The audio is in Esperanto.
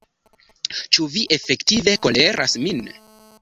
Ĉu vi efektive koleras min?